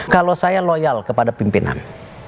kalau saya loyal kepada pimpinan